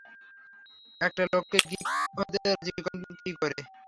একটা লোককে গিক হতে রাজি করান কী করে?